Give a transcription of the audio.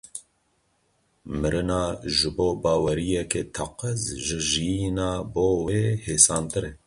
Mirina ji bo baweriyekê, teqez ji jiyîna bo wê hêsantir e.